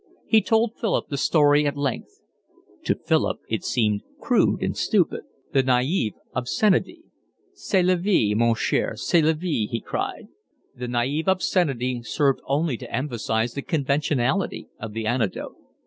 He told Philip the story at length. To Philip it seemed crude and stupid; the naive obscenity—c'est la vie, mon cher, c'est la vie, he cried—the naive obscenity served only to emphasise the conventionality of the anecdote.